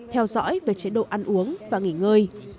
theo dõi về chế độ ăn uống và nghỉ ngơi